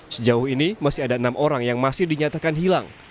sejauh ini masih ada enam orang yang masih dinyatakan hilang